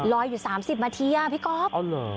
รอยอยู่๓๐มพี่ก๊อฟ